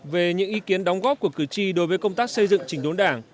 về những ý kiến đóng góp của cử tri đối với công tác xây dựng chỉnh đốn đảng